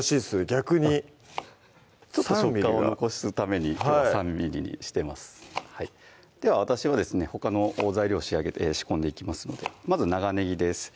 逆にちょっと食感を残すために３ｍｍにしてますでは私はですねほかの材料を仕込んでいきますのでまず長ねぎです